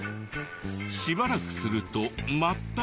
しばらくするとまた。